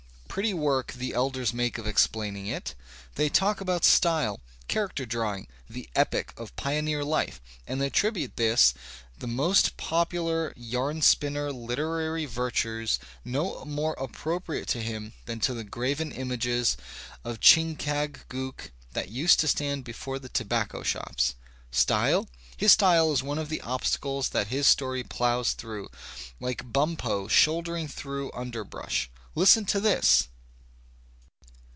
Pretty work the elders make of explaining it! They talk; about style, character drawing, the "epic" of pioneer life,/ and they attribute to this most popular yam spinner Uter j ary virtues no more appropriate to him than to the graven; images of Chingachgook that used to stand before the tobacco i shops. Style? His style is one of the obstacles that his story plows through, like Bumppo shouldering through under brush. Listen to this!